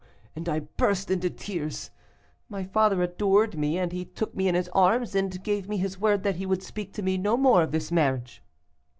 and I burst into tears. My father adored me, and he took me in his arms, and gave me his word that he would speak to me no more of this marriage.